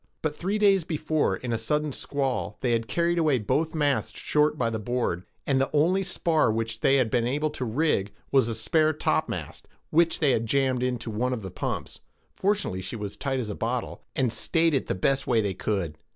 But three days before, in a sudden squall, they had carried away both masts short by the board, and the only spar which they had been able to rig was a spare topmast, which they had jammed into one of the pumps,—fortunately she was as tight as a bottle,—and stayed it the best way they could.